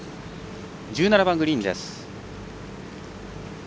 １７番グリーンです。